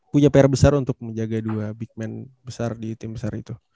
punya pr besar untuk menjaga dua big man besar di tim besar itu